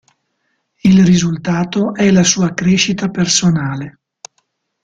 Il risultato è la sua crescita personale.